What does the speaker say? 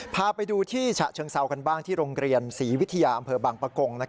พาไปดูที่ฉะเชิงเซากันบ้างที่โรงเรียนศรีวิทยาอำเภอบางปะกง